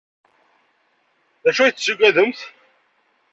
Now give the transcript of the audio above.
D acu ay tettaggademt?